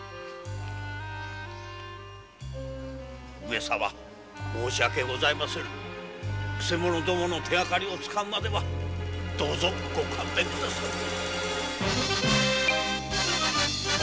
上様申し訳ございませぬくせ者どもの手がかりをつかむまではどうぞ御勘弁下され。